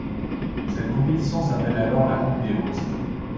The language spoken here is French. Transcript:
Cette compétition s'appelle alors la Coupe des Onze.